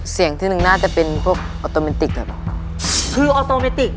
เสียงที่หนึ่งน่าจะเป็นพวกออโตเมนติกครับคือออโตเมติก